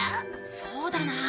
そうだなあ。